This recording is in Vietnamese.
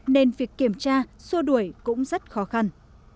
nên việc kiểm tra xua đuổi cũng rất khó khăn